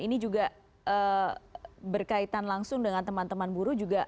ini juga berkaitan langsung dengan teman teman buruh juga